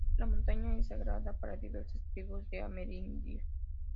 La montaña es sagrada para diversas tribus de amerindios.